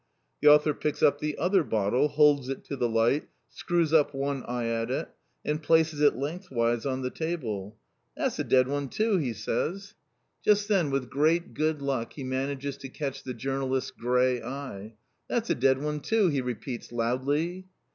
The author picks up the other bottle, holds it to the light, screws up one eye at it, and places it lengthwise on the table. "That's a dead 'un too," he says. Just then, with great good luck, he manages to catch the journalist's grey eye. "That's a dead 'un too," he repeats loudly.